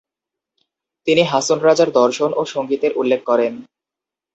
তিনি হাছন রাজার দর্শন ও সঙ্গীতের উল্লেখ করেন।